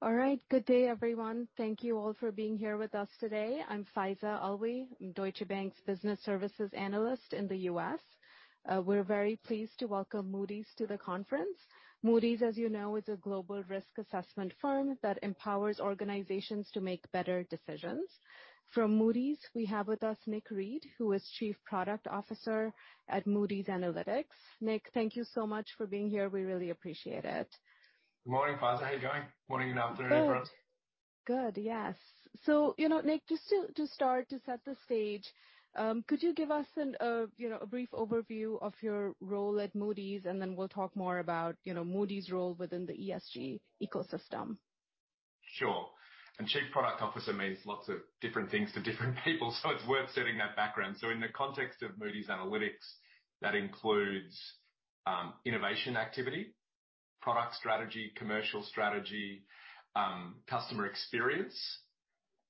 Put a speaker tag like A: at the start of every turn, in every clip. A: All right. Good day, everyone. Thank you all for being here with us today. I'm Faiza Alwy. I'm Deutsche Bank's Business Services Analyst in the U.S. We're very pleased to welcome Moody's to the conference. Moody's, as you know, is a global risk assessment firm that empowers organizations to make better decisions. From Moody's, we have with us Nick Reed, who is Chief Product Officer at Moody's Analytics. Nick, thank you so much for being here. We really appreciate it.
B: Good morning, Faiza. How you going? Morning, afternoon for us.
A: Good. Yes. you know, Nick, just to start to set the stage, could you give us an, you know, a brief overview of your role at Moody's, and then we'll talk more about, you know, Moody's role within the ESG ecosystem?
B: Sure. Chief Product Officer means lots of different things to different people. It's worth setting that background. In the context of Moody's Analytics, that includes innovation activity, product strategy, commercial strategy, customer experience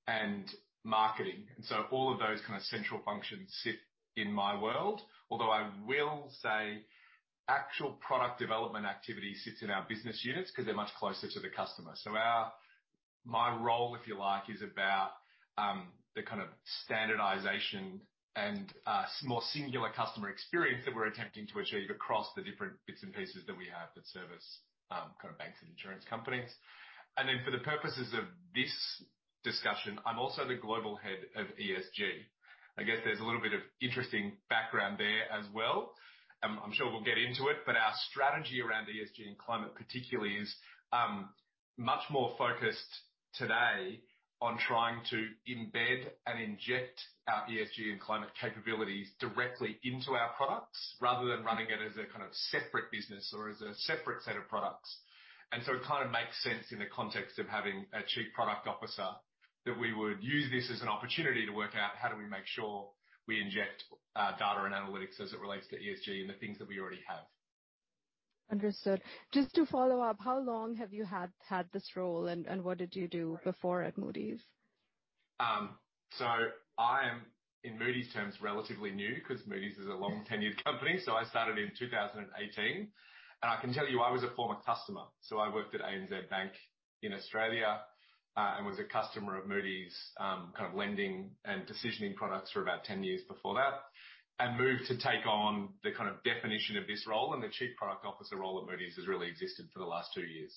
B: and marketing. All of those kind of central functions sit in my world, although I will say actual product development activity sits in our business units 'cause they're much closer to the customer. My role, if you like, is about the kind of standardization and more singular customer experience that we're attempting to achieve across the different bits and pieces that we have that service kind of banks and insurance companies. For the purposes of this discussion, I'm also the Global Head of ESG. I guess there's a little bit of interesting background there as well, I'm sure we'll get into it, but our strategy around ESG and climate particularly is much more focused today on trying to embed and inject our ESG and climate capabilities directly into our products rather than running it as a kind of separate business or as a separate set of products. So it kind of makes sense in the context of having a Chief Product Officer that we would use this as an opportunity to work out how do we make sure we inject data and analytics as it relates to ESG and the things that we already have.
A: Understood. Just to follow up, how long have you had this role and what did you do before at Moody's?
B: I am in Moody's terms, relatively new 'cause Moody's is a long-tenured company. I started in 2018. I can tell you I was a former customer. I worked at ANZ Bank in Australia, and was a customer of Moody's, kind of lending and decisioning products for about 10 years before that, and moved to take on the kind of definition of this role and the Chief Product Officer role at Moody's has really existed for the last two years.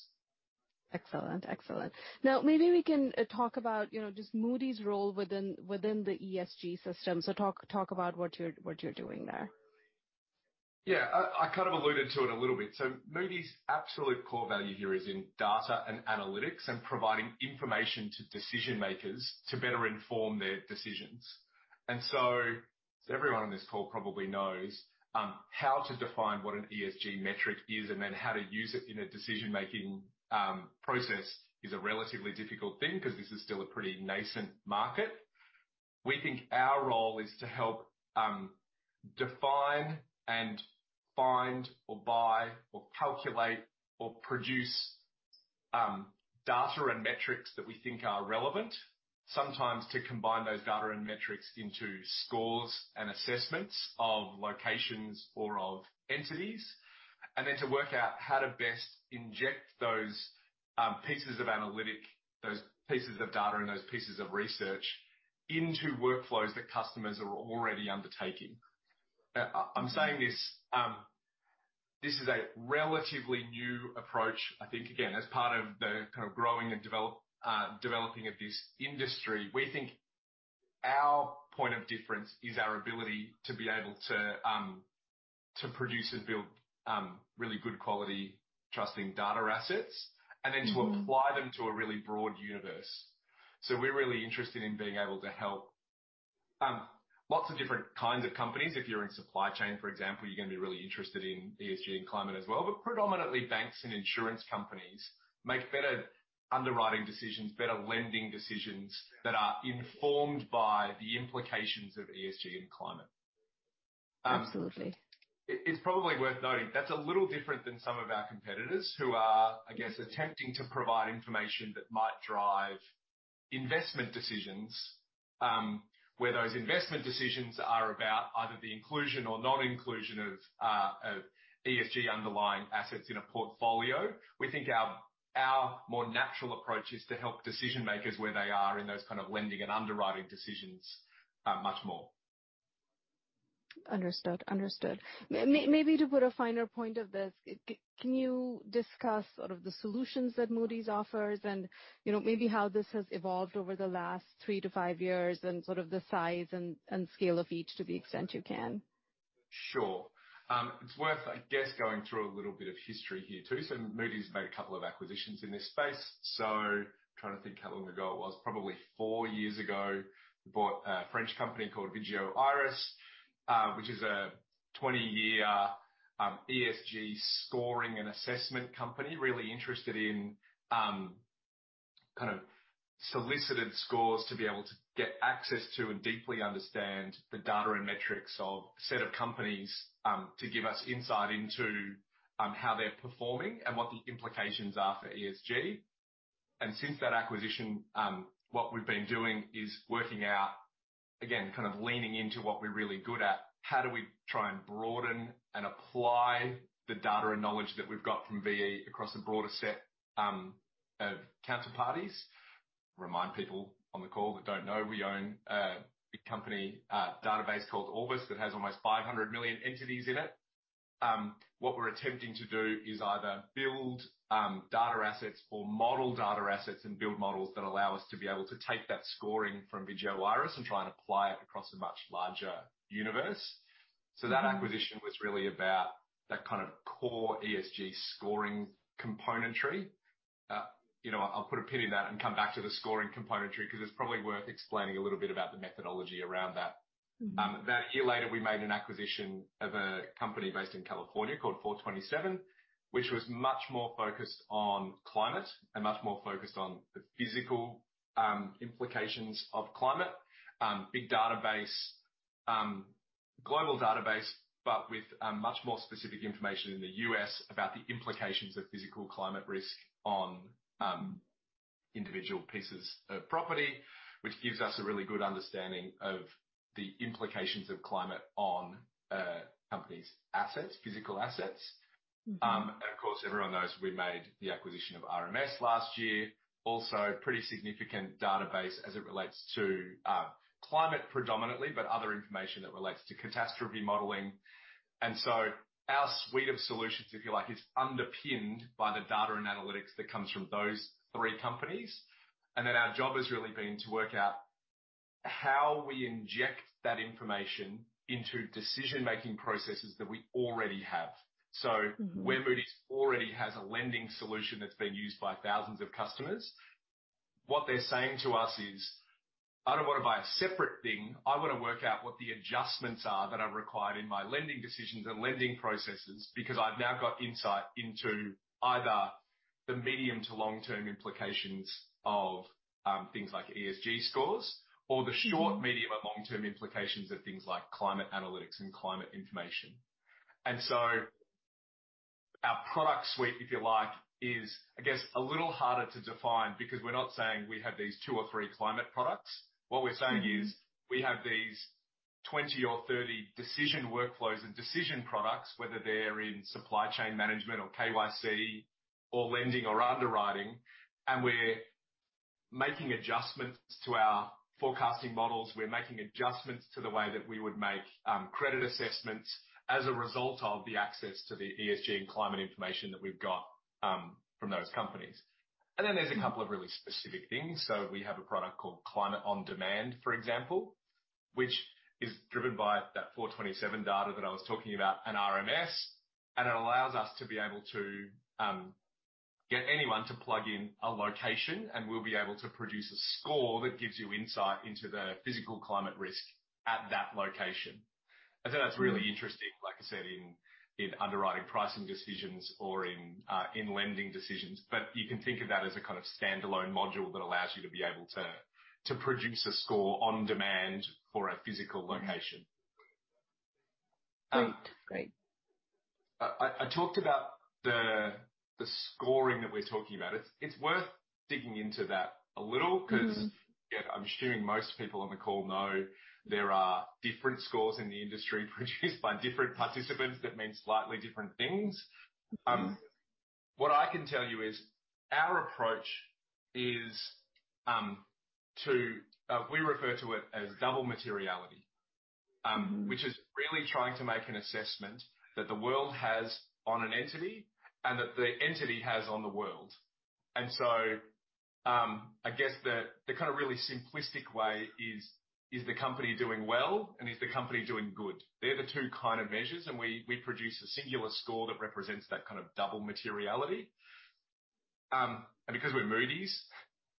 A: Excellent. Now maybe we can talk about, you know, just Moody's role within the ESG system. talk about what you're doing there.
B: Yeah. I kind of alluded to it a little bit. Moody's absolute core value here is in data and analytics and providing information to decision-makers to better inform their decisions. Everyone on this call probably knows how to define what an ESG metric is and then how to use it in a decision-making process is a relatively difficult thing 'cause this is still a pretty nascent market. We think our role is to help define and find or buy or calculate or produce data and metrics that we think are relevant, sometimes to combine those data and metrics into scores and assessments of locations or of entities, and then to work out how to best inject those pieces of analytic, those pieces of data and those pieces of research into workflows that customers are already undertaking. I'm saying this is a relatively new approach, I think, again, as part of the kind of growing and developing of this industry. We think our point of difference is our ability to be able to produce and build, really good quality trusting data assets.
A: Mm-hmm.
B: To apply them to a really broad universe. We're really interested in being able to help, lots of different kinds of companies. If you're in supply chain, for example, you're gonna be really interested in ESG and climate as well. Predominantly, banks and insurance companies make better underwriting decisions, better lending decisions that are informed by the implications of ESG and climate.
A: Absolutely.
B: It's probably worth noting that's a little different than some of our competitors who are, I guess, attempting to provide information that might drive investment decisions, where those investment decisions are about either the inclusion or non-inclusion of ESG underlying assets in a portfolio. We think our more natural approach is to help decision-makers where they are in those kind of lending and underwriting decisions, much more.
A: Understood. Maybe to put a finer point of this, can you discuss sort of the solutions that Moody's offers and, you know, maybe how this has evolved over the last three to five years and sort of the size and scale of each to the extent you can?
B: Sure. It's worth, I guess, going through a little bit of history here too. Moody's made a couple of acquisitions in this space. Trying to think how long ago it was, probably four years ago, we bought a French company called Vigeo Eiris, which is a 20-year ESG scoring and assessment company, really interested in kind of solicited scores to be able to get access to and deeply understand the data and metrics of set of companies to give us insight into how they're performing and what the implications are for ESG. Since that acquisition, what we've been doing is working out, again, kind of leaning into what we're really good at. How do we try and broaden and apply the data and knowledge that we've got from V.E. across a broader set of counterparties? Remind people on the call that don't know, we own a big company database called Orbis that has almost 500 million entities in it. What we're attempting to do is either build data assets or model data assets and build models that allow us to be able to take that scoring from Vigeo Eiris and try and apply it across a much larger universe.
A: Mm-hmm.
B: That acquisition was really about that kind of core ESG scoring componentry. You know, I'll put a pin in that and come back to the scoring componentry because it's probably worth explaining a little bit about the methodology around that.
A: Mm-hmm.
B: A year later, we made an acquisition of a company based in California called Four Twenty Seven, which was much more focused on climate and much more focused on the physical implications of climate. Big database, global database, but with much more specific information in the U.S. about the implications of physical climate risk on individual pieces of property, which gives us a really good understanding of the implications of climate on companies' assets, physical assets.
A: Mm-hmm.
B: Of course, everyone knows we made the acquisition of RMS last year. Pretty significant database as it relates to climate predominantly, but other information that relates to catastrophe modeling. Our suite of solutions, if you like, is underpinned by the data and analytics that comes from those three companies. Our job has really been to work out how we inject that information into decision-making processes that we already have.
A: Mm-hmm.
B: When Moody's already has a lending solution that's been used by thousands of customers, what they're saying to us is, "I don't wanna buy a separate thing. I wanna work out what the adjustments are that are required in my lending decisions and lending processes, because I've now got insight into either the medium to long-term implications of things like ESG scores or the short, medium, and long-term implications of things like climate analytics and climate information." Our product suite, if you like, is, I guess, a little harder to define because we're not saying we have these two or three climate products.
A: Mm-hmm.
B: What we're saying is we have these 20 or 30 decision workflows and decision products, whether they're in supply chain management or KYC or lending or underwriting. We're making adjustments to our forecasting models. We're making adjustments to the way that we would make credit assessments as a result of the access to the ESG and climate information that we've got from those companies.
A: Mm-hmm.
B: Then there's a couple of really specific things. We have a product called Climate on Demand, for example, which is driven by that Four Twenty Seven data that I was talking about and RMS. It allows us to be able to get anyone to plug in a location, and we'll be able to produce a score that gives you insight into the physical climate risk at that location.
A: Mm-hmm.
B: I think that's really interesting like I said in, underwriting pricing decisions or in lending decisions. You can think of that as a kind of standalone module that allows you to be able to, to produce a score on demand for a physical location.
A: Great.
B: I talked about the scoring that we're talking about. It's worth digging into that a little.
A: Mm-hmm.
B: I'm assuming most people on the call know there are different scores in the industry produced by different participants that mean slightly different things.
A: Mm-hmm.
B: What I can tell you is our approach is, to, we refer to it as double materiality.
A: Mm-hmm.
B: Which is really trying to make an assessment that the world has on an entity and that the entity has on the world. I guess the kind of really simplistic way is the company doing well and is the company doing good. They're the two kind of measures. We produce a singular score that represents that kind of double materiality. Because we're Moody's,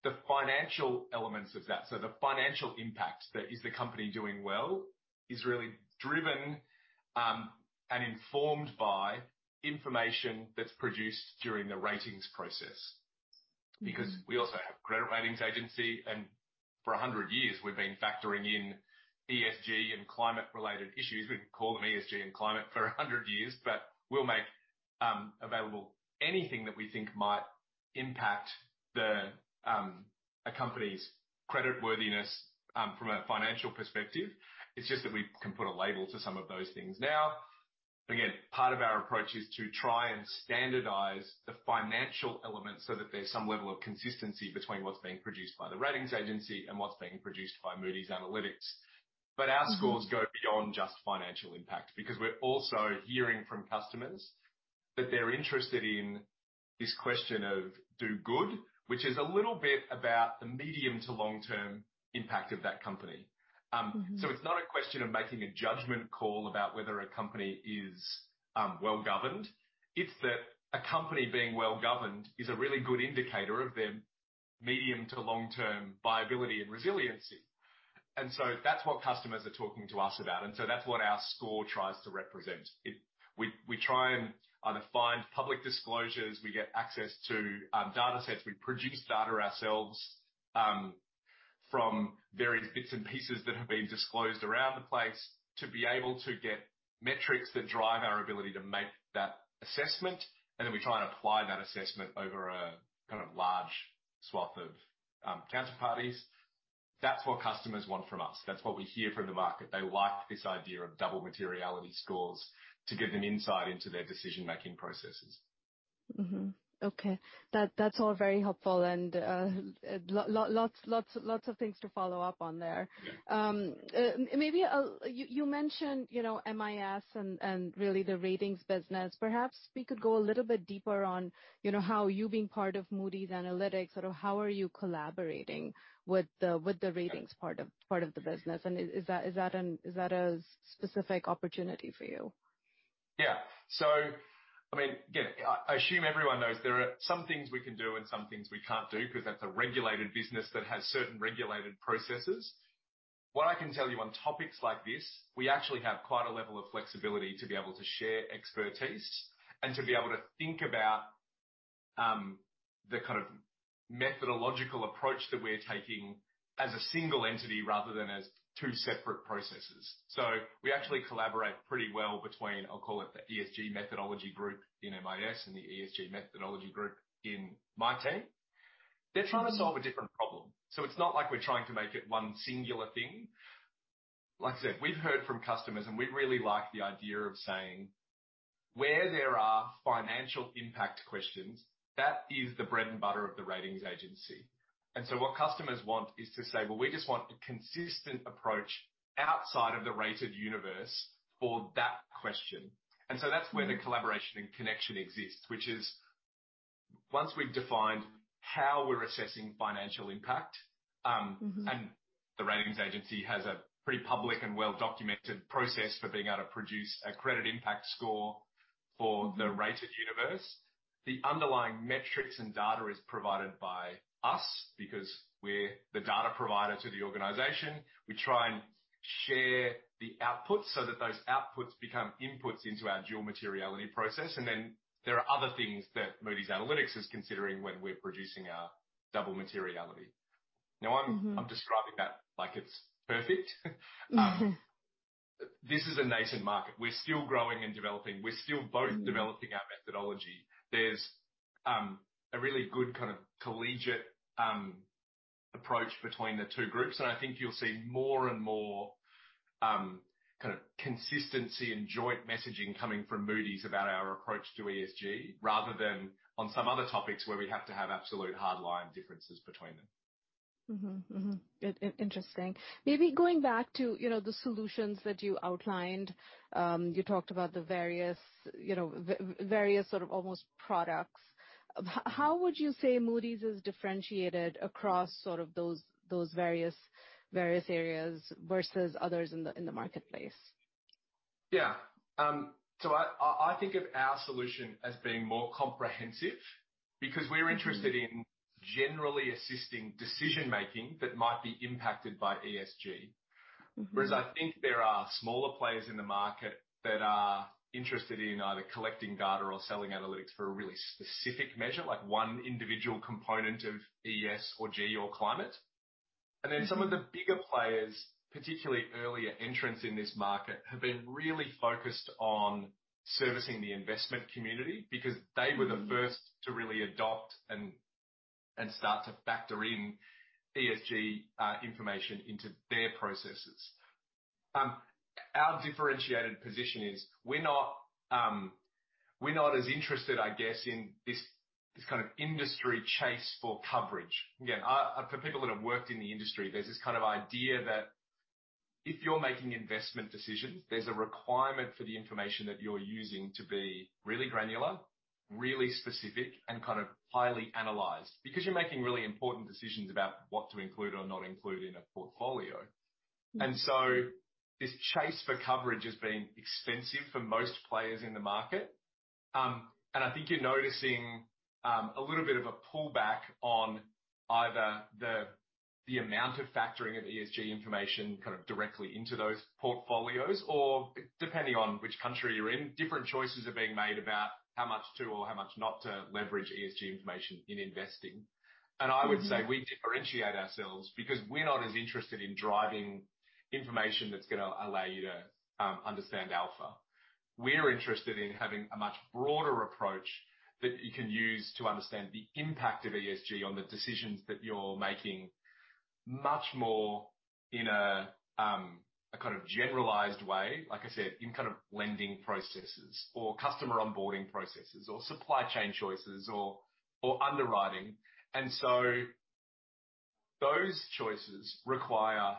B: the financial elements of that, so the financial impact that is the company doing well, is really driven and informed by information that's produced during the ratings process.
A: Mm-hmm.
B: We also have credit ratings agency and for 100 years, we've been factoring in ESG and climate-related issues. We didn't call them ESG and climate for 100 years, but we'll make available anything that we think might impact the a company's credit worthiness from a financial perspective. It's just that we can put a label to some of those things now. Part of our approach is to try and standardize the financial elements so that there's some level of consistency between what's being produced by the ratings agency and what's being produced by Moody's Analytics.
A: Mm-hmm.
B: Our scores go beyond just financial impact because we're also hearing from customers that they're interested in this question of do good, which is a little bit about the medium to long-term impact of that company.
A: Mm-hmm.
B: It's not a question of making a judgment call about whether a company is well-governed. It's that a company being well-governed is a really good indicator of their medium to long-term viability and resiliency. That's what customers are talking to us about, and so that's what our score tries to represent. We try and either find public disclosures, we get access to datasets. We produce data ourselves from various bits and pieces that have been disclosed around the place to be able to get metrics that drive our ability to make that assessment, and then we try and apply that assessment over a kind of large swath of counterparties. That's what customers want from us. That's what we hear from the market. They like this idea of double materiality scores to give them insight into their decision-making processes.
A: Mm-hmm. Okay. That's all very helpful, and lots of things to follow up on there. Maybe you mentioned, you know, MIS and really the ratings business. Perhaps we could go a little bit deeper on, you know, how you being part of Moody's Analytics, sort of how are you collaborating with the ratings part of the business? Is that a specific opportunity for you?
B: Yeah. I mean, again, I assume everyone knows there are some things we can do and some things we can't do because that's a regulated business that has certain regulated processes. What I can tell you on topics like this, we actually have quite a level of flexibility to be able to share expertise and to be able to think about the kind of methodological approach that we're taking as a single entity rather than as two separate processes. We actually collaborate pretty well between, I'll call it the ESG methodology group in MIS and the ESG methodology group in my team. They're trying to solve a different problem, it's not like we're trying to make it one singular thing. Like I said, we've heard from customers, and we really like the idea of saying where there are financial impact questions, that is the bread and butter of the ratings agency. What customers want is to say, "Well, we just want a consistent approach outside of the rated universe for that question." That's where the collaboration and connection exists, which is once we've defined how we're assessing financial impact.
A: Mm-hmm.
B: The ratings agency has a pretty public and well-documented process for being able to produce a Credit Impact Score for the rated universe, the underlying metrics and data is provided by us because we're the data provider to the organization. We try and share the outputs so that those outputs become inputs into our double materiality process. Then there are other things that Moody's Analytics is considering when we're producing our double materiality.
A: Mm-hmm.
B: I'm describing that like it's perfect.
A: Mm-hmm.
B: This is a nascent market. We're still growing and developing. We're still both developing our methodology. There's a really good kind of collegiate approach between the two groups, and I think you'll see more and more kind of consistency and joint messaging coming from Moody's about our approach to ESG, rather than on some other topics where we have to have absolute hardline differences between them.
A: Mm-hmm. Interesting. Maybe going back to, you know, the solutions that you outlined, you talked about the various, you know, various sort of almost products. How would you say Moody's is differentiated across sort of those various areas versus others in the marketplace?
B: Yeah. I think of our solution as being more comprehensive because we're interested in generally assisting decision-making that might be impacted by ESG.
A: Mm-hmm.
B: I think there are smaller players in the market that are interested in either collecting data or selling analytics for a really specific measure, like one individual component of ES or G or climate. Some of the bigger players, particularly earlier entrants in this market, have been really focused on servicing the investment community because they were the first to really adopt and start to factor in ESG information into their processes. Our differentiated position is we're not as interested, I guess, in this kind of industry chase for coverage. Again, for people that have worked in the industry, there's this kind of idea that if you're making investment decisions, there's a requirement for the information that you're using to be really granular, really specific, and kind of highly analyzed because you're making really important decisions about what to include or not include in a portfolio. This chase for coverage has been expensive for most players in the market. I think you're noticing a little bit of a pullback on either the amount of factoring of ESG information kind of directly into those portfolios or depending on which country you're in, different choices are being made about how much to or how much not to leverage ESG information in investing. I would say we differentiate ourselves because we're not as interested in driving information that's gonna allow you to understand alpha. We're interested in having a much broader approach that you can use to understand the impact of ESG on the decisions that you're making much more in a kind of generalized way, like I said in kind of lending processes or customer onboarding processes or supply chain choices or underwriting. Those choices require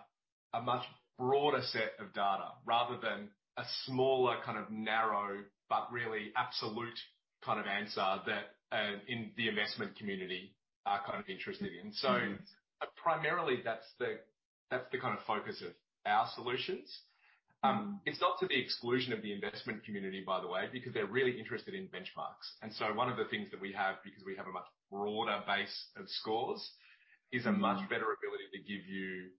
B: a much broader set of data rather than a smaller kind of narrow, but really absolute kind of answer that in the investment community are kind of interested in. Primarily, that's the kind of focus of our solutions. It's not to the exclusion of the investment community by the way, because they're really interested in benchmarks. One of the things that we have, because we have a much broader base of scores, is a much better ability to give you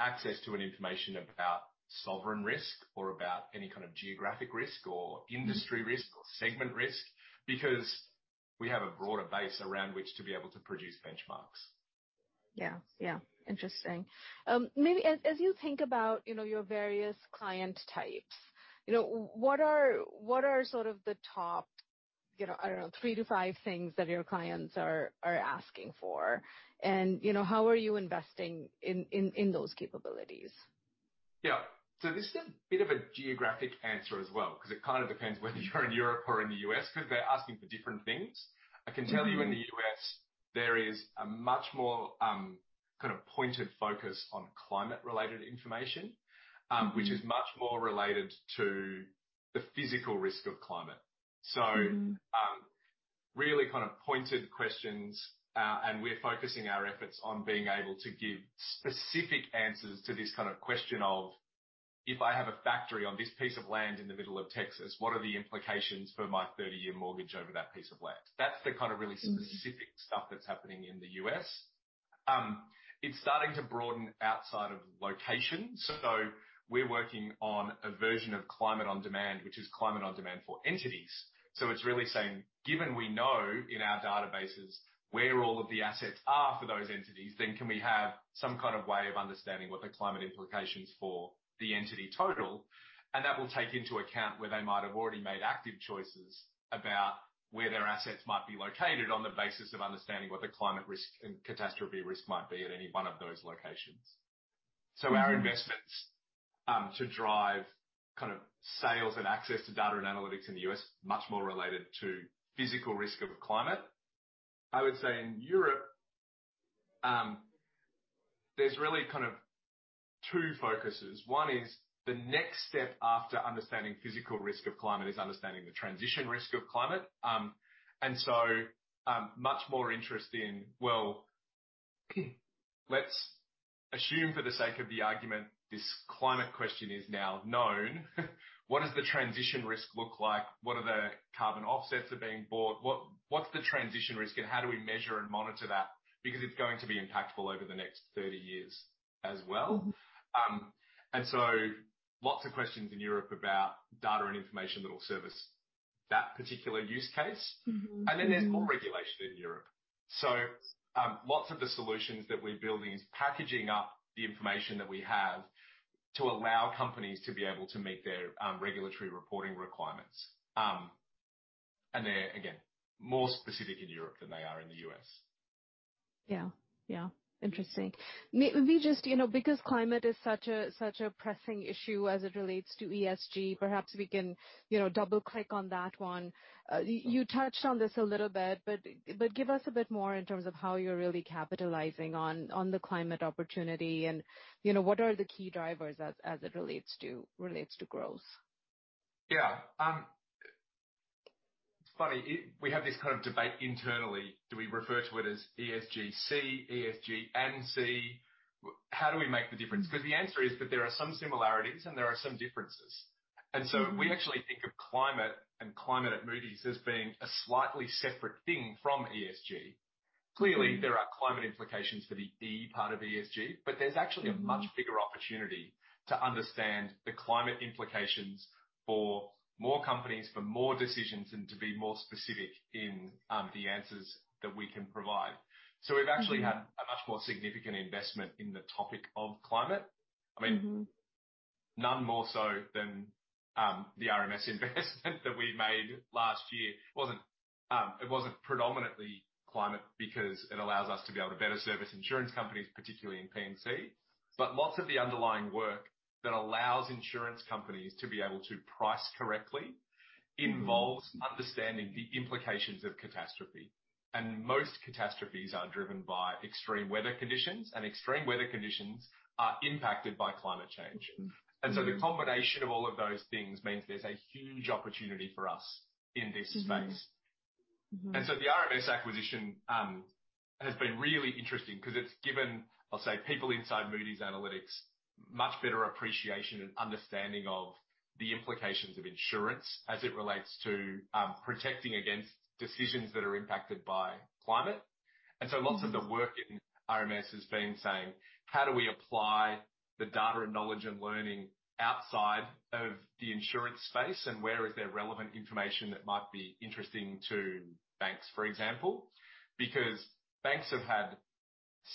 B: access to an information about sovereign risk or about any kind of geographic risk or industry risk or segment risk, because we have a broader base around which to be able to produce benchmarks.
A: Yeah. Interesting. maybe as you think about, you know, your various client types, you know, what are sort of the top, you know, I don't know, three to five things that your clients are asking for? You know, how are you investing in those capabilities?
B: Yeah. This is a bit of a geographic answer as well, 'cause it kind of depends whether you're in Europe or in the U.S. because they're asking for different things.
A: Mm-hmm.
B: I can tell you in the U.S. there is a much more, kind of pointed focus on climate related information.
A: Mm-hmm.
B: Which is much more related to the physical risk of climate.
A: Mm-hmm.
B: Really kind of pointed questions, and we're focusing our efforts on being able to give specific answers to this kind of question of, if I have a factory on this piece of land in the middle of Texas, what are the implications for my 30-year mortgage over that piece of land? That's the kind of really specific stuff that's happening in the U.S.. It's starting to broaden outside of location. We're working on a version of Climate on Demand, which is Climate on Demand for entities. It's really saying, given we know in our databases where all of the assets are for those entities, then can we have some kind of way of understanding what the climate implications for the entity total. That will take into account where they might have already made active choices about where their assets might be located on the basis of understanding what the climate risk and catastrophe risk might be at any one of those locations.
A: Mm-hmm.
B: Our investments, to drive kind of sales and access to data and analytics in the U.S. are much more related to physical risk of climate. I would say in Europe, there's really kind of two focuses. One is the next step after understanding physical risk of climate is understanding the transition risk of climate. Much more interest in, well, let's assume for the sake of the argument, this climate question is now known. What does the transition risk look like? What are the carbon offsets that are being bought? What's the transition risk and how do we measure and monitor that? Because it's going to be impactful over the next 30 years as well.
A: Mm-hmm.
B: Lots of questions in Europe about data and information that will service that particular use case.
A: Mm-hmm.
B: There's more regulation in Europe. Lots of the solutions that we're building is packaging up the information that we have to allow companies to be able to meet their regulatory reporting requirements. They're, again, more specific in Europe than they are in the U.S..
A: Yeah. Interesting. Maybe just, you know, because climate is such a, such a pressing issue as it relates to ESG, perhaps we can, you know, double-click on that one. You touched on this a little bit, but give us a bit more in terms of how you're really capitalizing on the climate opportunity and, you know, what are the key drivers as it relates to, relates to growth?
B: Yeah. It's funny, we have this kind of debate internally. Do we refer to it as ESGC, ESG and C? How do we make the difference? The answer is that there are some similarities and there are some differences.
A: Mm-hmm.
B: We actually think of climate and climate at Moody's as being a slightly separate thing from ESG.
A: Mm-hmm.
B: Clearly, there are climate implications for the E part of ESG, but there's actually a much bigger opportunity to understand the climate implications for more companies, for more decisions, and to be more specific in the answers that we can provide.
A: Mm-hmm.
B: We've actually had a much more significant investment in the topic of climate.
A: Mm-hmm.
B: I mean, none more so than, the RMS investment that we made last year. It wasn't, it wasn't predominantly climate because it allows us to be able to better service insurance companies, particularly in P&C. Lots of the underlying work that allows insurance companies to be able to price correctly involves understanding the implications of catastrophe. Most catastrophes are driven by extreme weather conditions, and extreme weather conditions are impacted by climate change.
A: Mm-hmm.
B: The combination of all of those things means there's a huge opportunity for us in this space.
A: Mm-hmm.
B: The RMS acquisition has been really interesting because it's given, I'll say, people inside Moody's Analytics, much better appreciation and understanding of the implications of insurance as it relates to protecting against decisions that are impacted by climate.
A: Mm-hmm.
B: Lots of the work in RMS has been saying, "How do we apply the data and knowledge and learning outside of the insurance space, and where is there relevant information that might be interesting to banks, for example?" Because banks have had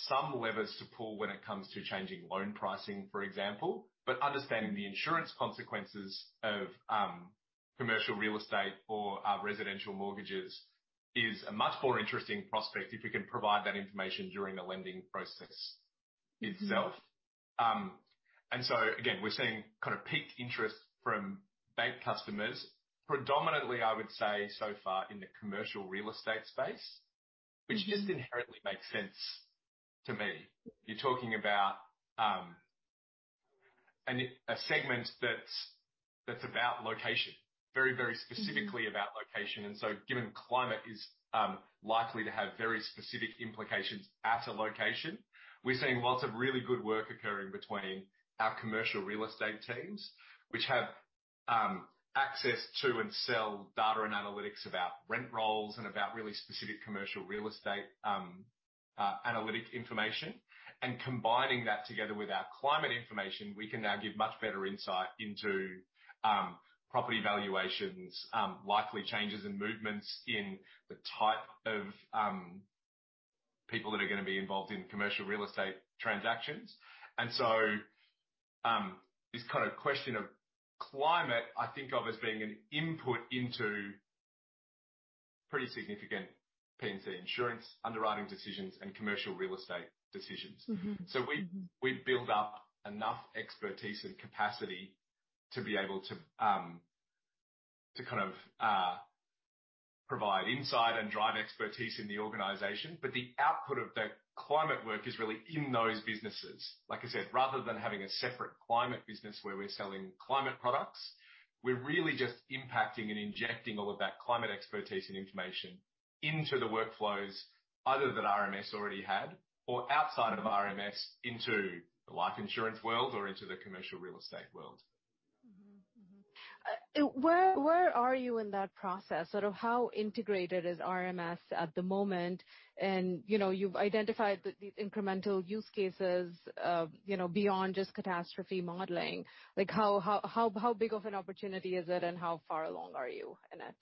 B: some levers to pull when it comes to changing loan pricing, for example. But understanding the insurance consequences of commercial real estate or residential mortgages is a much more interesting prospect if we can provide that information during the lending process itself.
A: Mm-hmm.
B: Again, we're seeing kind of peaked interest from bank customers, predominantly, I would say, so far in the commercial real estate space.
A: Mm-hmm.
B: Which just inherently makes sense to me. You're talking about a segment that's about location, very specifically about location.
A: Mm-hmm.
B: Given climate is likely to have very specific implications at a location, we're seeing lots of really good work occurring between our commercial real estate teams, which access to and sell data and analytics about rent rolls and about really specific commercial real estate analytic information. Combining that together with our climate information, we can now give much better insight into property valuations, likely changes in movements in the type of people that are gonna be involved in commercial real estate transactions. This kind of question of climate, I think of as being an input into pretty significant P&C insurance underwriting decisions and commercial real estate decisions.
A: Mm-hmm.
B: We build up enough expertise and capacity to be able to kind of provide insight and drive expertise in the organization. The output of that climate work is really in those businesses. Like I said, rather than having a separate climate business where we're selling climate products, we're really just impacting and injecting all of that climate expertise and information into the workflows either that RMS already had or outside of RMS into the life insurance world or into the commercial real estate world.
A: Where are you in that process? Sort of how integrated is RMS at the moment? You know, you've identified the incremental use cases, you know, beyond just catastrophe modeling. Like, how big of an opportunity is it and how far along are you in it?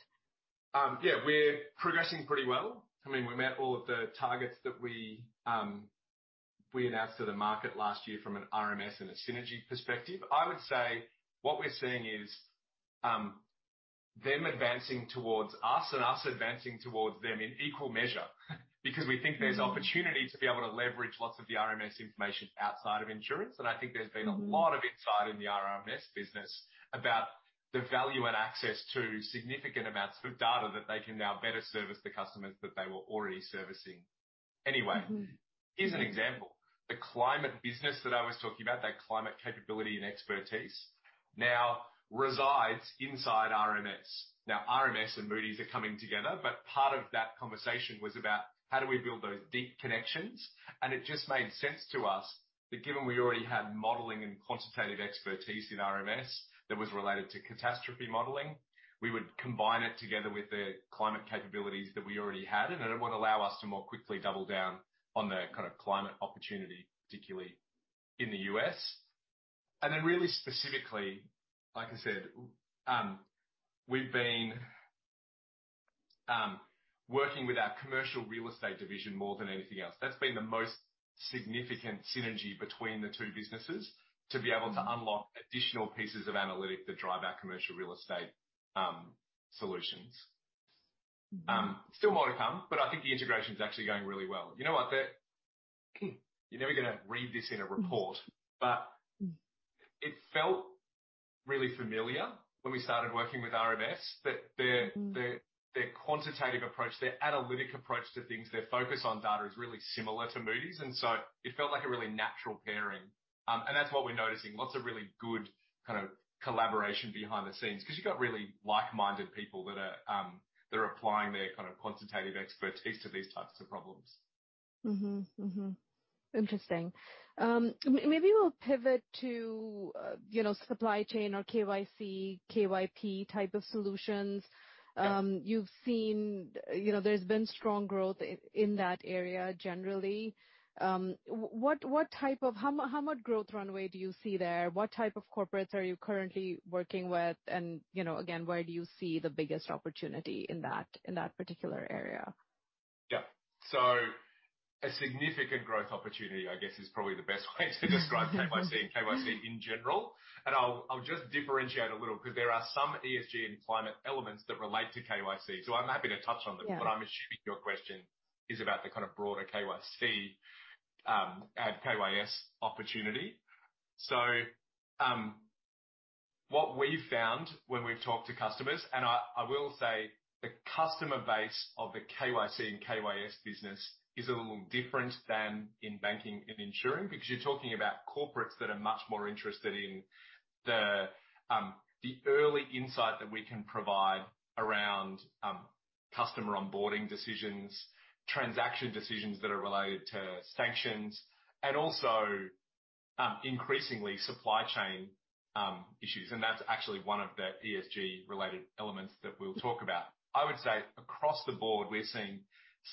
B: Yeah, we're progressing pretty well. I mean, we met all of the targets that we announced to the market last year from an RMS and a synergy perspective. I would say what we're seeing is them advancing towards us and us advancing towards them in equal measure. We think there's opportunity to be able to leverage lots of the RMS information outside of insurance. I think there's been a lot of insight in the RMS business about the value and access to significant amounts of data that they can now better service the customers that they were already servicing anyway.
A: Mm-hmm.
B: Here's an example. The climate business that I was talking about, that climate capability and expertise now resides inside RMS. RMS and Moody's are coming together, but part of that conversation was about how do we build those deep connections. It just made sense to us that given we already had modeling and quantitative expertise in RMS that was related to catastrophe modeling, we would combine it together with the climate capabilities that we already had, and it would allow us to more quickly double down on the kind of climate opportunity, particularly in the U.S. Really specifically, like I said, we've been working with our commercial real estate division more than anything else. That's been the most significant synergy between the two businesses to be able to unlock additional pieces of analytic that drive our commercial real estate solutions. Still more to come, but I think the integration is actually going really well. You know what? You're never gonna read this in a report, but it felt really familiar when we started working with RMS, that their quantitative approach, their analytic approach to things, their focus on data is really similar to Moody's. So it felt like a really natural pairing. That's what we're noticing. Lots of really good kind of collaboration behind the scenes 'cause you've got really like-minded people that are, they're applying their kind of quantitative expertise to these types of problems.
A: Mm-hmm. Interesting. Maybe we'll pivot to, you know, supply chain or KYC, KYP type of solutions. You've seen, you know, there's been strong growth in that area generally. What type of, how much growth runway do you see there? What type of corporates are you currently working with? You know, again, where do you see the biggest opportunity in that particular area?
B: A significant growth opportunity, I guess, is probably the best way to describe KYC and KYP in general. I'll just differentiate a little because there are some ESG and climate elements that relate to KYC, so I'm happy to touch on them.
A: Yeah.
B: I'm assuming your question is about the kind of broader KYC and KYS opportunity. What we've found when we've talked to customers, and I will say the customer base of the KYC and KYS business is a little different than in banking and insurance. Because you're talking about corporates that are much more interested in the early insight that we can provide around customer onboarding decisions, transaction decisions that are related to sanctions and also increasingly supply chain issues. That's actually one of the ESG related elements that we'll talk about. I would say across the board, we're seeing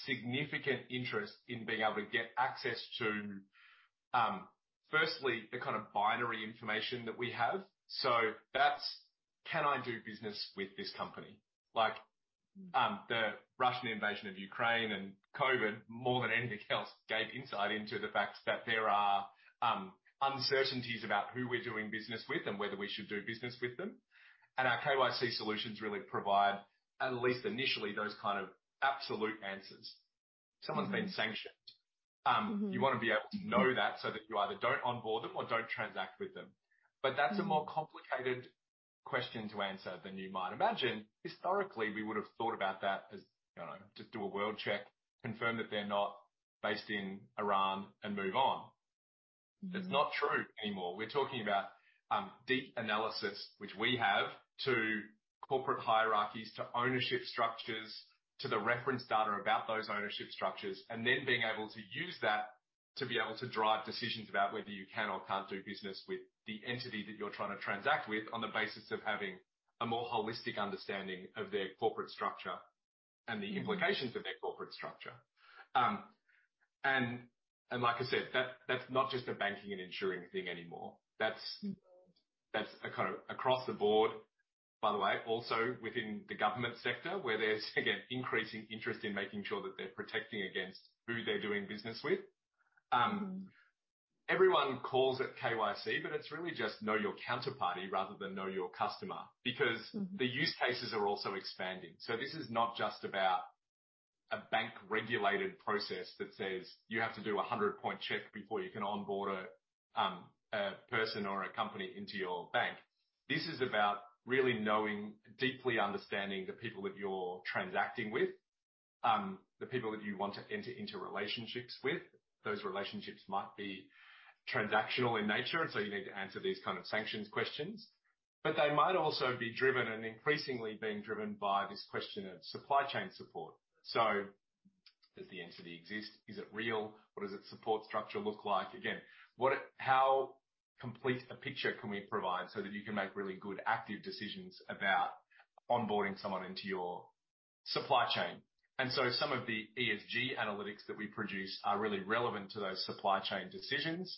B: significant interest in being able to get access to, firstly, the kind of binary information that we have. That's, "Can I do business with this company?" Like, the Russian invasion of Ukraine and COVID, more than anything else, gave insight into the fact that there are uncertainties about who we're doing business with and whether we should do business with them. Our KYC solutions really provide, at least initially, those kind of absolute answers. Someone's been sanctioned. You wanna be able to know that so that you either don't onboard them or don't transact with them. That's a more complicated question to answer than you might imagine. Historically, we would have thought about that as, you know, just do a World-Check, confirm that they're not based in Iran and move on. That's not true anymore. We're talking about deep analysis, which we have, to corporate hierarchies, to ownership structures, to the reference data about those ownership structures, and then being able to use To be able to drive decisions about whether you can or can't do business with the entity that you're trying to transact with on the basis of having a more holistic understanding of their corporate structure and the implications of their corporate structure. Like I said, that's not just a banking and insuring thing anymore. That's.
A: Mm-hmm.
B: That's a kind of across the board, by the way, also within the government sector, where there's, again, increasing interest in making sure that they're protecting against who they're doing business with. Everyone calls it KYC, but it's really just know your counterparty rather than know your customer.
A: Mm-hmm.
B: The use cases are also expanding. This is not just about a bank-regulated process that says you have to do a 100 point check before you can onboard a person or a company into your bank. This is about really knowing, deeply understanding the people that you're transacting with, the people that you want to enter into relationships with. Those relationships might be transactional in nature, you need to answer these kind of sanctions questions. They might also be driven and increasingly being driven by this question of supply chain support. Does the entity exist? Is it real? What does its support structure look like? Again, how complete a picture can we provide so that you can make really good, active decisions about onboarding someone into your supply chain. Some of the ESG analytics that we produce are really relevant to those supply chain decisions,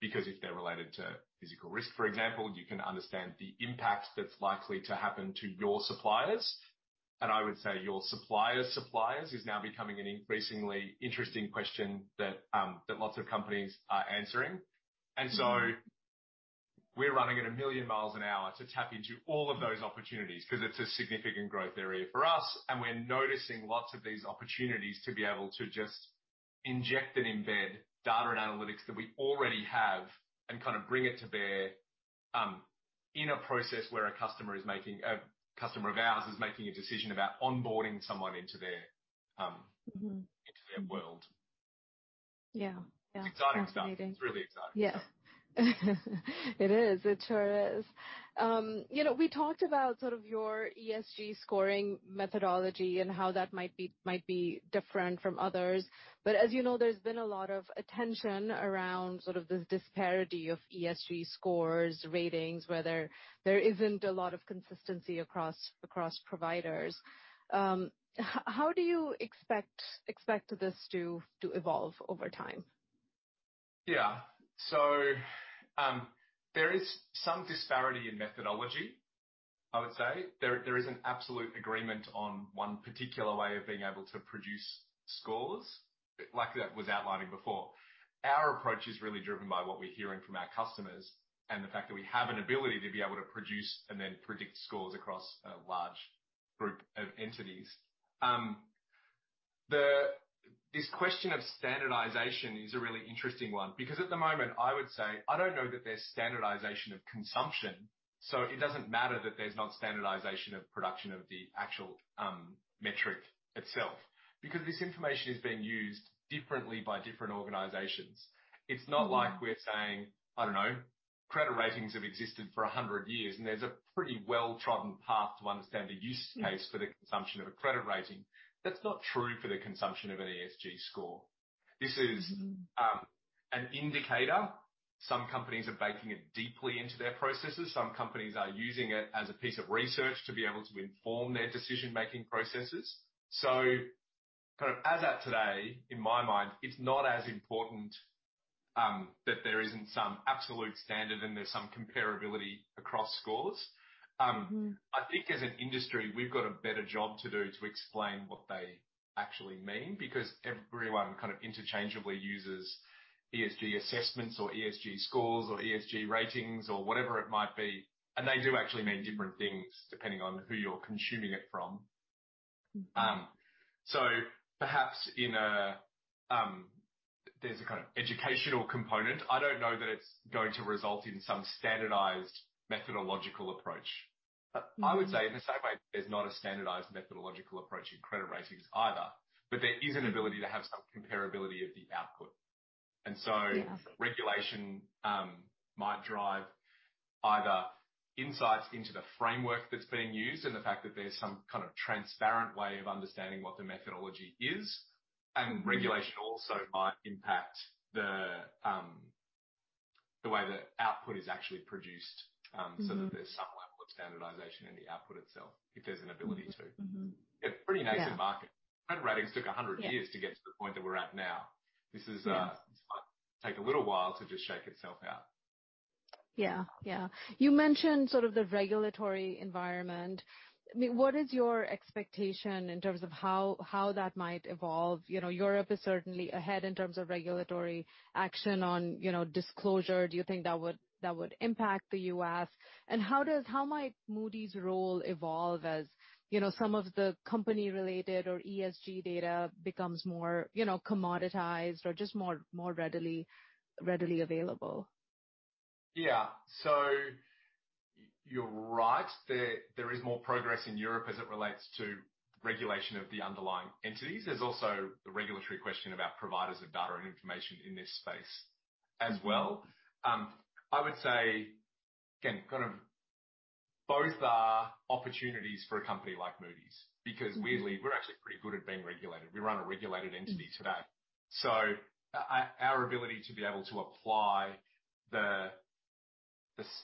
B: because if they're related to physical risk, for example, you can understand the impact that's likely to happen to your suppliers. I would say your supplier's suppliers is now becoming an increasingly interesting question that lots of companies are answering.
A: Mm-hmm.
B: We're running at a million miles an hour to tap into all of those opportunities 'cause it's a significant growth area for us, and we're noticing lots of these opportunities to be able to just inject and embed data and analytics that we already have and kind of bring it to bear, in a process where a customer of ours is making a decision about onboarding someone into their.
A: Mm-hmm
B: Into their world.
A: Yeah. Yeah.
B: It's exciting stuff.
A: Fascinating.
B: It's really exciting stuff.
A: Yeah. It is. It sure is. You know, we talked about sort of your ESG scoring methodology and how that might be different from others. As you know, there's been a lot of attention around sort of this disparity of ESG scores, ratings, whether there isn't a lot of consistency across providers. How do you expect this to evolve over time?
B: Yeah. There is some disparity in methodology, I would say. There isn't absolute agreement on one particular way of being able to produce scores, like I was outlining before. Our approach is really driven by what we're hearing from our customers and the fact that we have an ability to be able to produce and then predict scores across a large group of entities. This question of standardization is a really interesting one because at the moment, I would say I don't know that there's standardization of consumption, so it doesn't matter that there's not standardization of production of the actual metric itself. This information is being used differently by different organizations.
A: Mm-hmm.
B: It's not like we're saying, I don't know, credit ratings have existed for 100 years. There's a pretty well-trodden path to understand the use case for the consumption of a credit rating. That's not true for the consumption of an ESG score.
A: Mm-hmm.
B: This is an indicator. Some companies are baking it deeply into their processes. Some companies are using it as a piece of research to be able to inform their decision-making processes. Kind of as at today, in my mind, it's not as important that there isn't some absolute standard and there's some comparability across scores.
A: Mm-hmm.
B: I think as an industry, we've got a better job to do to explain what they actually mean because everyone kind of interchangeably uses ESG assessments or ESG scores or ESG ratings or whatever it might be, and they do actually mean different things depending on who you're consuming it from.
A: Mm-hmm.
B: Perhaps in a, there's a kind of educational component. I don't know that it's going to result in some standardized methodological approach.
A: Mm-hmm.
B: I would say in the same way there's not a standardized methodological approach in credit ratings either.
A: Mm-hmm.
B: There is an ability to have some comparability of the output.
A: Yeah.
B: Regulation might drive either insights into the framework that's being used and the fact that there's some kind of transparent way of understanding what the methodology is.
A: Mm-hmm.
B: Regulation also might impact the way the output is actually produced.
A: Mm-hmm
B: So that there's some level of standardization in the output itself, if there's an ability to.
A: Mm-hmm.
B: Yeah.
A: Yeah.
B: Pretty nascent market. Credit ratings took 100 years-
A: Yeah
B: To get to the point that we're at now. This is, this might take a little while to just shake itself out.
A: Yeah. You mentioned sort of the regulatory environment. I mean, what is your expectation in terms of how that might evolve? You know, Europe is certainly ahead in terms of regulatory action on, you know, disclosure. Do you think that would impact the U.S.? How might Moody's role evolve as, you know, some of the company-related or ESG data becomes more, you know, commoditized or just more readily available?
B: Yeah. You're right. There is more progress in Europe as it relates to regulation of the underlying entities. There's also the regulatory question about providers of data and information in this space as well. I would say, again, Both are opportunities for a company like Moody's because weirdly, we're actually pretty good at being regulated. We run a regulated entity today. Our ability to be able to apply the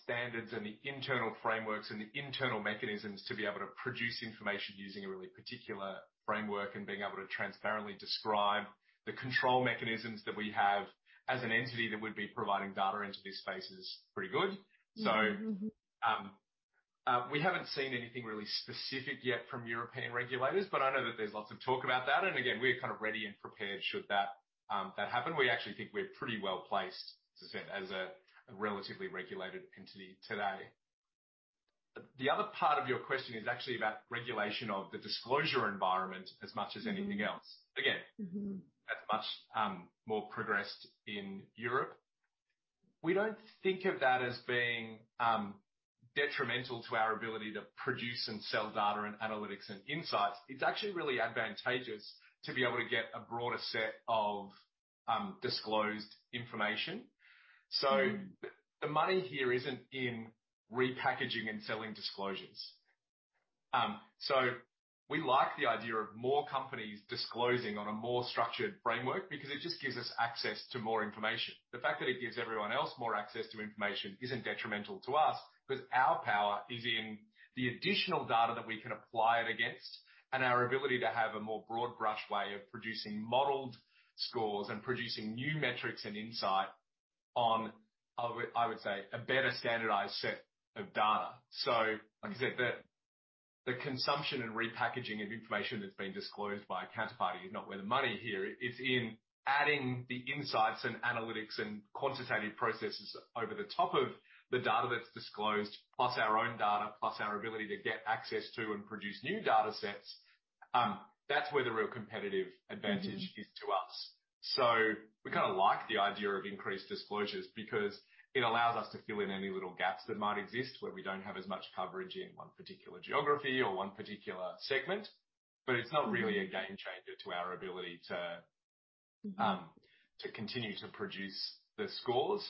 B: standards and the internal frameworks and the internal mechanisms to be able to produce information using a really particular framework and being able to transparently describe the control mechanisms that we have as an entity that would be providing data into these spaces, pretty good.
A: Mm-hmm.
B: We haven't seen anything really specific yet from European regulators, but I know that there's lots of talk about that. Again, we're kind of ready and prepared should that happen. We actually think we're pretty well-placed, as I said, as a relatively regulated entity today. The other part of your question is actually about regulation of the disclosure environment as much as anything else.
A: Mm-hmm.
B: That's much, more progressed in Europe. We don't think of that as being, detrimental to our ability to produce and sell data and analytics and insights. It's actually really advantageous to be able to get a broader set of, disclosed information.
A: Mm-hmm.
B: The money here isn't in repackaging and selling disclosures. We like the idea of more companies disclosing on a more structured framework because it just gives us access to more information. The fact that it gives everyone else more access to information isn't detrimental to us, because our power is in the additional data that we can apply it against and our ability to have a more broad brush way of producing modeled scores and producing new metrics and insight on, I would say, a better standardized set of data. Like I said, the consumption and repackaging of information that's been disclosed by a counterparty is not where the money here. It's in adding the insights and analytics and quantitative processes over the top of the data that's disclosed, plus our own data, plus our ability to get access to and produce new data sets. That's where the real competitive advantage.
A: Mm-hmm.
B: Is to us. We kinda like the idea of increased disclosures because it allows us to fill in any little gaps that might exist where we don't have as much coverage in one particular geography or one particular segment. It's not really a game changer to our ability to.
A: Mm-hmm.
B: To continue to produce the scores.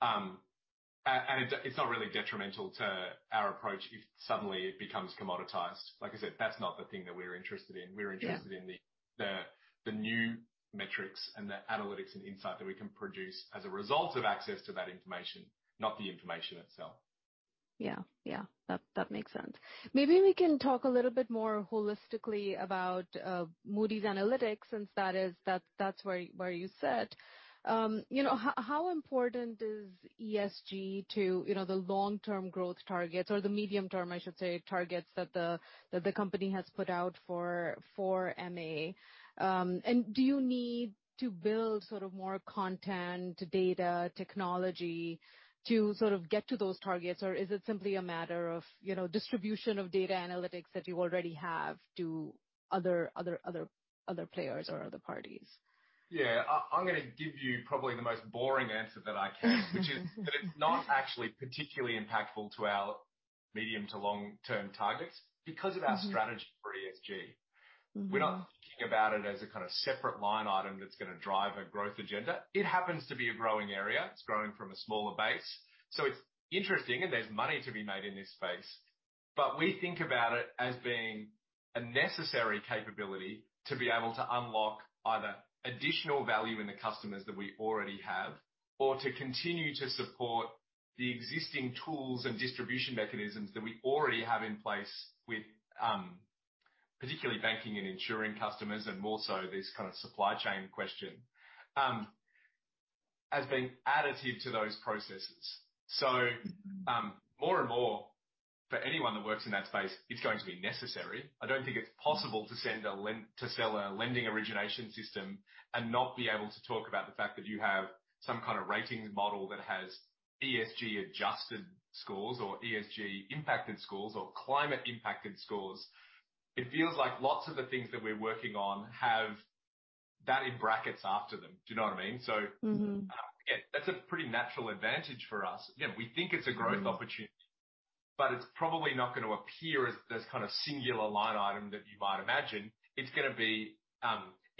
B: And it's not really detrimental to our approach if suddenly it becomes commoditized. Like I said, that's not the thing that we're interested in.
A: Yeah.
B: We're interested in the new metrics and the analytics and insight that we can produce as a result of access to that information, not the information itself.
A: Yeah. Yeah, that makes sense. Maybe we can talk a little bit more holistically about Moody's Analytics, since that's where you sat. You know, how important is ESG to, you know, the long-term growth targets or the medium-term, I should say, targets that the company has put out for MA? Do you need to build sort of more content, data, technology to sort of get to those targets? Or is it simply a matter of, you know, distribution of data analytics that you already have to other players or other parties?
B: Yeah. I'm gonna give you probably the most boring answer that I can. Which is that it's not actually particularly impactful to our medium to long-term targets because of our strategy for ESG.
A: Mm-hmm.
B: We're not thinking about it as a kinda separate line item that's gonna drive a growth agenda. It happens to be a growing area. It's growing from a smaller base. It's interesting, and there's money to be made in this space. We think about it as being a necessary capability to be able to unlock either additional value in the customers that we already have or to continue to support the existing tools and distribution mechanisms that we already have in place with, particularly banking and ensuring customers and more so this kinda supply chain question, as being additive to those processes. More and more for anyone that works in that space, it's going to be necessary. I don't think it's possible to sell a lending origination system and not be able to talk about the fact that you have some kind of ratings model that has ESG adjusted scores or ESG impacted scores or climate impacted scores. It feels like lots of the things that we're working on have that in brackets after them. Do you know what I mean?
A: Mm-hmm.
B: Again, that's a pretty natural advantage for us. Again, we think it's a growth opportunity, but it's probably not gonna appear as this kinda singular line item that you might imagine. It's gonna be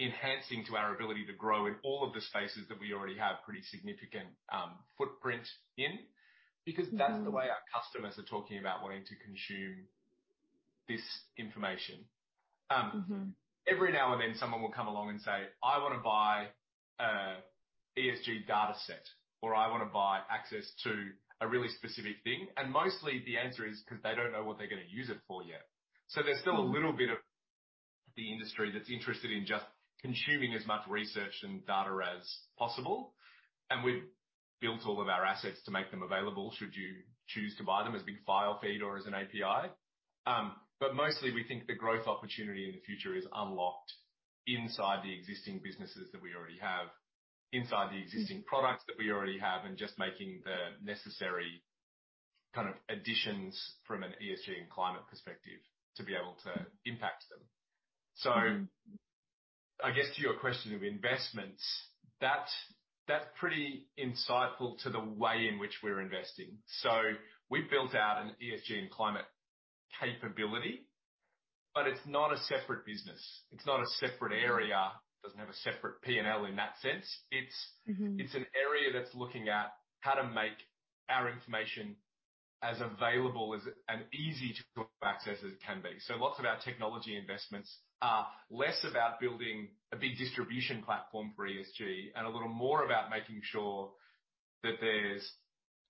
B: enhancing to our ability to grow in all of the spaces that we already have pretty significant footprint in.
A: Mm-hmm.
B: That's the way our customers are talking about wanting to consume this information.
A: Mm-hmm.
B: Every now and then someone will come along and say, "I wanna buy a ESG data set," or, "I wanna buy access to a really specific thing." Mostly the answer is 'cause they don't know what they're gonna use it for yet.
A: Mm-hmm.
B: There's still a little bit of the industry that's interested in just consuming as much research and data as possible, and we've built all of our assets to make them available should you choose to buy them as big file feed or as an API. Mostly we think the growth opportunity in the future is unlocked inside the existing businesses that we already have, inside the existing products that we already have, and just making the necessary kind of additions from an ESG and climate perspective to be able to impact them.
A: Mm-hmm.
B: I guess to your question of investments, that's pretty insightful to the way in which we're investing. We've built out an ESG and climate capability. But it's not a separate business. It's not a separate area. It doesn't have a separate P&L in that sense.
A: Mm-hmm.
B: It's an area that's looking at how to make our information as available as and easy to access as it can be. Lots of our technology investments are less about building a big distribution platform for ESG and a little more about making sure that there's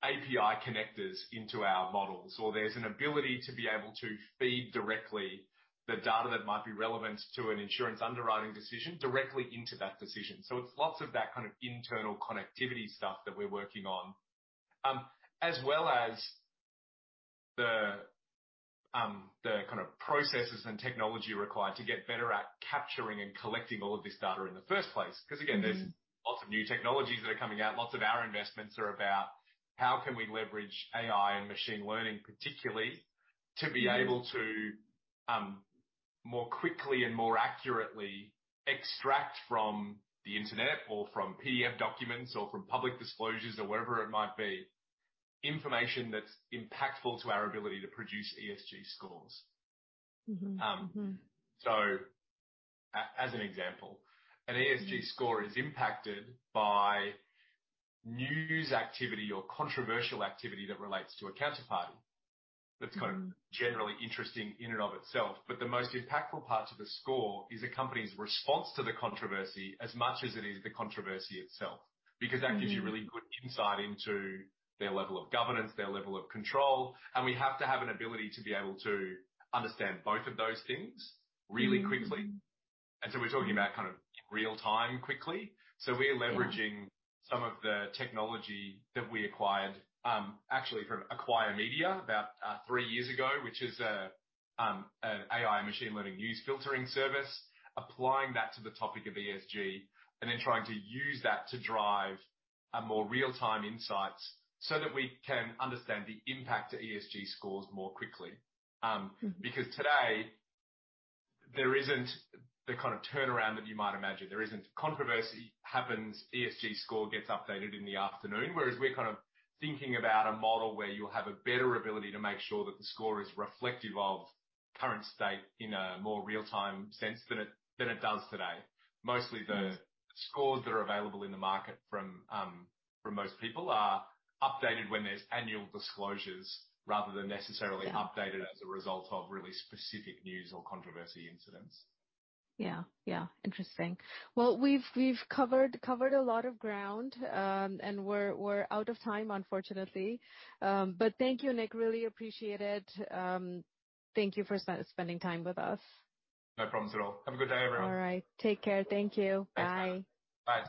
B: API connectors into our models, or there's an ability to be able to feed directly the data that might be relevant to an insurance underwriting decision directly into that decision. It's lots of that kind of internal connectivity stuff that we're working on, as well as the kind of processes and technology required to get better at capturing and collecting all of this data in the first place.
A: Mm-hmm.
B: Again, there's lots of new technologies that are coming out. Lots of our investments are about how can we leverage AI and machine learning, particularly, to be able to more quickly and more accurately extract from the Internet or from PDF documents or from public disclosures or wherever it might be, information that's impactful to our ability to produce ESG scores.
A: Mm-hmm.
B: As an example.
A: Mm-hmm
B: An ESG score is impacted by news activity or controversial activity that relates to a counterparty.
A: Mm-hmm.
B: That's kind of generally interesting in and of itself, but the most impactful part to the score is a company's response to the controversy as much as it is the controversy itself.
A: Mm-hmm.
B: That gives you really good insight into their level of governance, their level of control, and we have to have an ability to be able to understand both of those things really quickly.
A: Mm-hmm.
B: We're talking about kind of real-time quickly.
A: Yeah.
B: We're leveraging some of the technology that we acquired, actually from Acquire Media about, three years ago, which is a, an AI machine learning news filtering service, applying that to the topic of ESG and then trying to use that to drive a more real-time insights so that we can understand the impact to ESG scores more quickly.
A: Mm-hmm.
B: Because today there isn't the kind of turnaround that you might imagine. Controversy happens, ESG score gets updated in the afternoon. We're kind of thinking about a model where you'll have a better ability to make sure that the score is reflective of current state in a more real-time sense than it does today.
A: Yeah.
B: Mostly the scores that are available in the market from most people are updated when there's annual disclosures rather than necessarily.
A: Yeah...
B: updated as a result of really specific news or controversy incidents.
A: Yeah. Yeah. Interesting. Well, we've covered a lot of ground. We're out of time, unfortunately. Thank you, Nick. Really appreciate it. Thank you for spending time with us.
B: No problems at all. Have a good day, everyone.
A: All right. Take care. Thank you. Bye.
B: Bye.